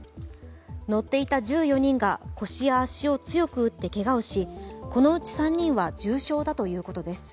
乗っていた１４人が、腰や足を強く打ってけがをし、このうち３人は重傷だということです。